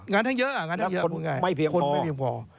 งานท่านเยอะแล้วคนไม่เพียงพอ